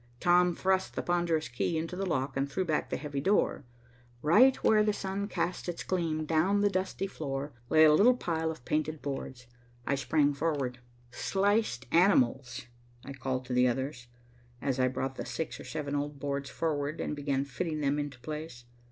Tom thrust the ponderous key into the lock and threw back the heavy door. Right where the sun cast its gleam down the dusty floor lay a little pile of painted boards. I sprang forward. "Sliced animals," I called to the others, as I brought the six or seven old boards forward and began fitting them into place.